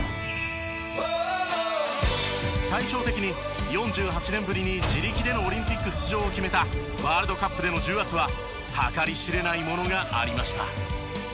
対照的に４８年ぶりに自力でのオリンピック出場を決めたワールドカップでの重圧は計り知れないものがありました。